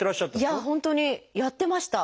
いや本当にやってました。